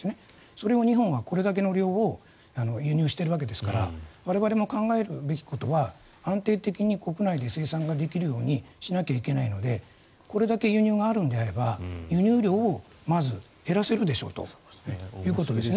それを日本は、これだけの量を輸入してるわけですから我々の考えるべきことは安定的に国内で生産できるようにしなきゃいけないのでこれだけ輸入があるのであれば輸入量をまず減らせるでしょということです。